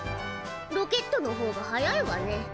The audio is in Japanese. ロケットのほうが速いわね。